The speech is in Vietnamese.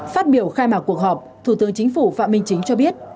phát biểu khai mạc cuộc họp thủ tướng chính phủ phạm minh chính cho biết